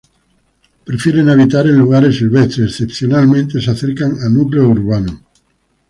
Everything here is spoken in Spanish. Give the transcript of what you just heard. Prefieren habitar en lugares silvestres; excepcionalmente se acercan a núcleos urbanos.